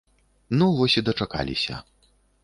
Ну вось і дачакаліся.